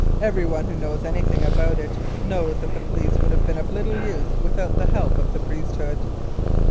Everyone who knows anything about it knows that the police would have been of little use without the help of the priesthood."